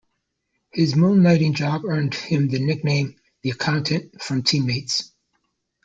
His moonlighting job earned him the nickname "The Accountant" from teammates.